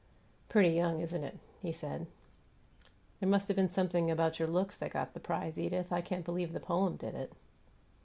"Pretty young, isn't it?" he said. "There must have been something about your looks that got the prize, Edith; I can't believe the poem did it."